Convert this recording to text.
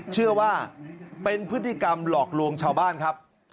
เชื่อว่าเป็นพฤติกรรมหลอกลวงชาวบ้านครับ